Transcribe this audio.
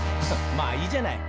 「まあいいじゃない」